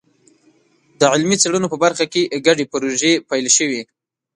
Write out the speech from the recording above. د علمي څېړنو په برخه کې ګډې پروژې پیل شوي.